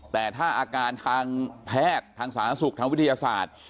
แต่ถ้าอาการทางแพทย์ทางสาธารณสุขทางวิทยาศาสตร์